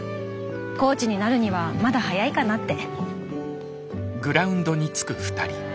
コーチになるにはまだ早いかなって。